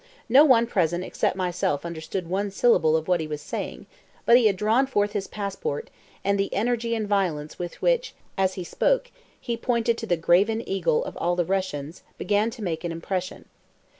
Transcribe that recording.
No one present except myself understood one syllable of what he was saying, but he had drawn forth his passport, and the energy and violence with which, as he spoke, he pointed to the graven Eagle of all the Russias, began to make an impression.